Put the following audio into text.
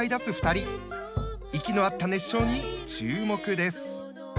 息の合った熱唱に注目です。